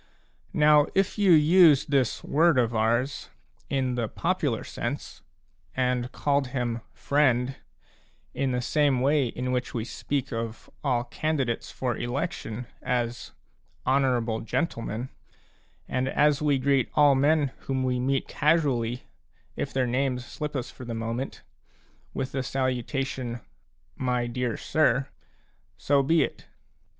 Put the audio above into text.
Now if you used this word of ours a in the popular sense, and called him " friend " in the same way in which we speak of all candidates for election as " honourable gentle men/' and as we greet all men whom we meet casu ally, if their names slip us for the moment, with the salutation "my dear sir/' — so be it.